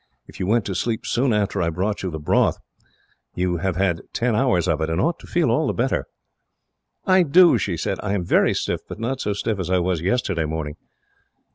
"If you went to sleep soon after I brought you the broth, you have had ten hours of it, and ought to feel all the better." "I do," she said. "I am very stiff, but not so stiff as I was yesterday morning.